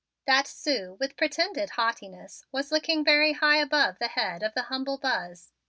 That Sue with pretended haughtiness was looking very high above the head of the humble Buzz.